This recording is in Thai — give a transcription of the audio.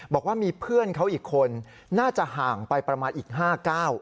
บอกว่ามีเพื่อนเขาอีกคนน่าจะห่างไปประมาณอีก๕ก้าว